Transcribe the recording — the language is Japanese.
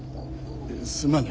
すまぬ。